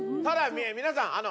ただ皆さん。